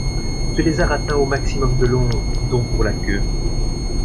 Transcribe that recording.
Ce lézard atteint au maximum de long, dont pour la queue.